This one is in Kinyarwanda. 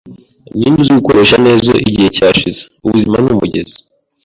ninde uzi kugikoresha neza Igihe cyashize. Ubuzima ni umugezi,